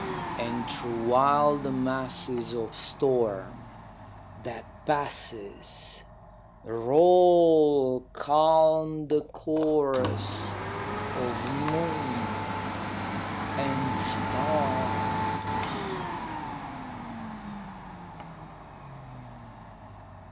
And through wild masses of storm, that passes, Roll calm the chorus of moon and stars.